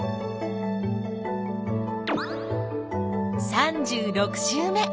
３６週目。